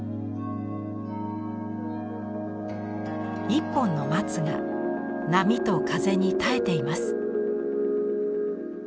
一本の松が波と風に耐えています。